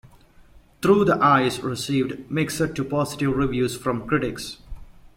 "Through the Eyes" received mixed-to-positive reviews from critics.